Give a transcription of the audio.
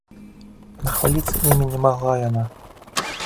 Нахваліцца імі не магла яна.